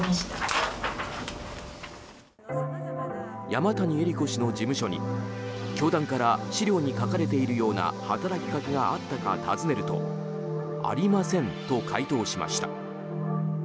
山谷えり子氏の事務所に教団から資料に書かれているような働きかけがあったか尋ねるとありませんと回答しました。